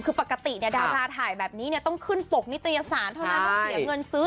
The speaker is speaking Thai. คือปกติดาราถ่ายแบบนี้ต้องขึ้นปกนิตยสารเท่านั้นต้องเสียเงินซื้อ